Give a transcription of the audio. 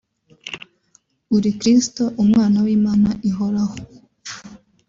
« Uri Kristo Umwana w’Imana Ihoraho